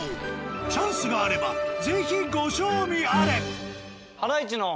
チャンスがあれば是非ご賞味あれ。